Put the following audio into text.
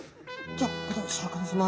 じゃあここでシャーク香音さま